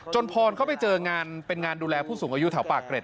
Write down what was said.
พรเขาไปเจองานเป็นงานดูแลผู้สูงอายุแถวปากเกร็